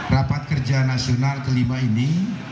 rapat kerja nasional ke lima ini